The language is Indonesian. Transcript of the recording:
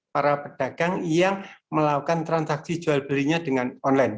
para pedagang yang melakukan transaksi jual belinya dengan online